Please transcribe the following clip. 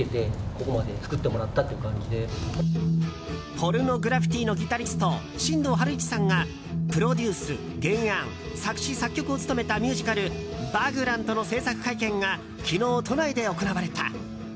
ポルノグラフィティのギタリスト新藤晴一さんがプロデュース、原案作詞・作曲を務めたミュージカル「ヴァグラント」の制作会見が昨日、都内で行われた。